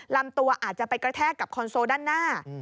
ลำตัวอาจจะไปกระแทกกับคอนโซลด้านหน้า